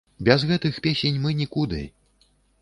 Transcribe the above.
Без гэтых песень мы нікуды!